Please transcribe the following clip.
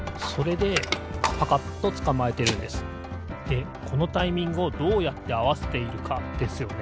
でこのタイミングをどうやってあわせているかですよね。